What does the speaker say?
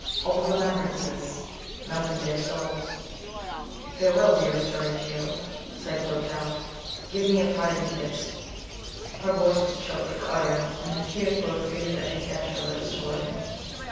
Old remembrances melted their souls. "Farewell, dearest Horatio," said Clotel. "Give me a parting kiss." Her voice was choked for utterance, and the tears flowed freely, as she bent her lips toward him.